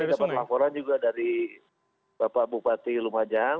dari itu kami dapat laporan juga dari bapak bupati lumajang